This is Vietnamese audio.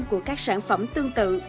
của các sản phẩm tương tự